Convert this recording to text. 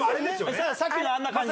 さっきのあんな感じ？